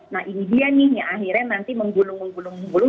nah ini dia nih yang akhirnya nanti menggulung gulung gulung